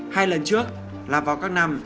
hai lần trước là vào các năm